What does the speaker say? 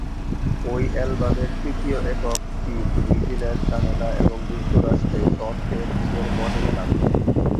ঐ অ্যালবামের তৃতীয় একক "টিম" নিউজিল্যান্ড, কানাডা এবং যুক্তরাষ্ট্রে টপ টেন হিটের মর্যাদা লাভ করে।